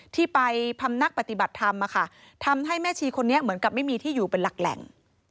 ที่ไปพำนักปฏิบัติธรรมทำให้แม่ชีคนนี้เหมือนกับไม่มีที่อยู่เป็นหลักแหล่ง